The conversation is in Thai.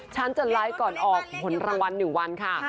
ฉันจะไลฟ์ก่อนออกผลรางวัล๑วันค่ะ